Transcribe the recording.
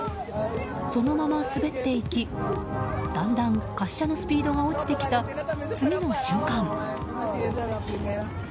そのまま滑っていきだんだん滑車のスピードが落ちてきた、次の瞬間。